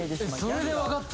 それで分かった？